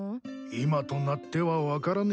今となっては分からねえ。